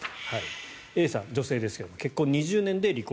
Ａさん、女性ですが結婚２０年で離婚。